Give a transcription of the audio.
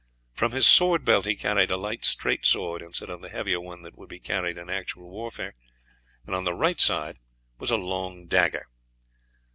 From his sword belt he carried a light straight sword, instead of the heavier one that would be carried in actual warfare, and on the right side was a long dagger.